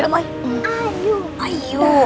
sampai jumpa di video selanjutnya